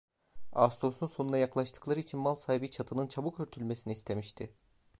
Ağustosun sonuna yaklaştıkları için mal sahibi çatının çabuk örtülmesini istemişti.